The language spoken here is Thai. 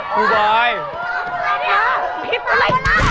ผิดตอบละ